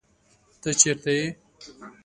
تۀ چېرې ئې ؟